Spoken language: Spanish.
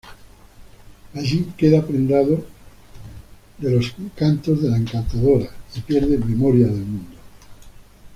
Allí queda prendado de los encantos de la encantadora y pierde memoria del mundo.